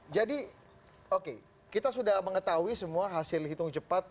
jadi oke kita sudah mengetahui semua hasil hitung cepat